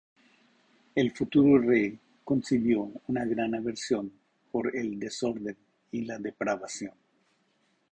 El futuro rey concibió una gran aversión por el desorden y la depravación.